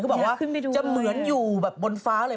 บอกว่าจะเหมือนอยู่แบบบนฟ้าเลย